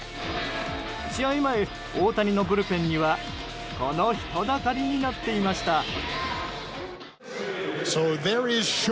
試合前、大谷のブルペンにはこの人だかりになっていました。